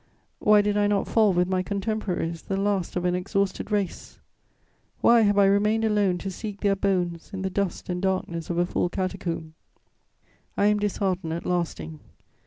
Why did I not fall with my contemporaries, the last of an exhausted race? Why have I remained alone to seek their bones in the dust and darkness of a full catacomb? I am disheartened at lasting.